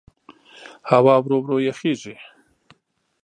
هوا ورو ورو یخېږي.